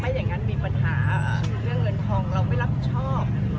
อย่างนั้นมีปัญหาเรื่องเงินทองเราไม่รับผิดชอบ